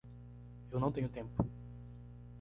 Eu não tenho tempo